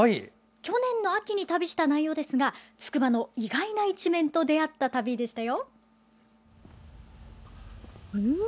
去年の秋に旅した内容ですがつくばの意外な一面と出会った旅でしたよ。